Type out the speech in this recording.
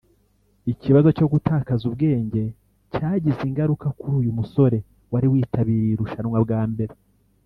Ikibazo cyo gutakaza ubwenge cyagize ingaruka kuri uyu musore wari witabiriye irushanwa bwa mbere